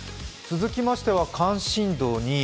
続きましては関心度２位